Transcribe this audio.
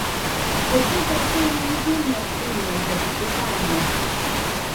Часцей за ўсё, яны не вельмі актыўныя ў гэтых пытаннях.